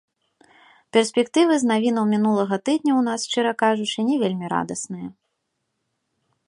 Перспектывы з навінаў мінулага тыдня ў нас, шчыра кажучы, не вельмі радасныя.